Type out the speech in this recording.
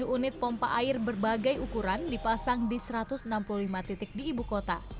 tujuh unit pompa air berbagai ukuran dipasang di satu ratus enam puluh lima titik di ibu kota